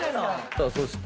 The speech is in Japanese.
さあそして。